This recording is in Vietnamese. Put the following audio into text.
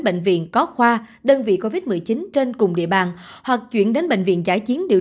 bệnh viện có khoa đơn vị covid một mươi chín trên cùng địa bàn hoặc chuyển đến bệnh viện giải chiến điều